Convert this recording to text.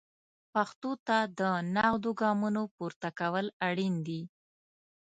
پښتو ته د نغدو ګامونو پورته کول اړین دي.